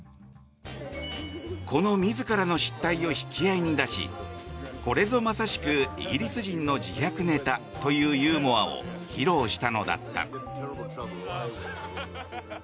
この自らの失態を引き合いに出しこれぞまさしくイギリス人の自虐ネタというユーモアを披露した。